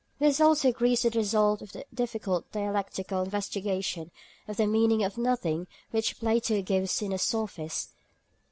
This also agrees with the result of the difficult dialectical investigation of the meaning of nothing which Plato gives in the "Sophist" (pp.